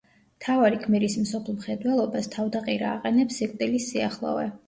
მთავარი გმირის მსოფლმხედველობას თავდაყირა აყენებს სიკვდილის სიახლოვე.